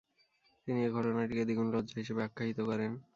তিনি এ ঘটনাটিকে দ্বিগুণ লজ্জা হিসেবে আখ্যায়িত করেন।